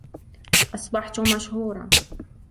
أصبحت مشهورة.